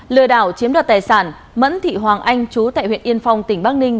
lừa đảo chiếm đoạt tài sản mẫn thị hoàng anh chú tại huyện yên phong tỉnh bắc ninh